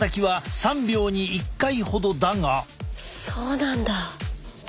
そうなんだ。